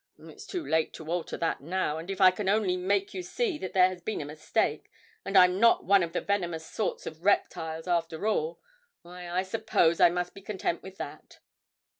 It's too late to alter that now, and if I can only make you see that there has been a mistake, and I'm not one of the venomous sort of reptiles after all, why, I suppose I must be content with that!'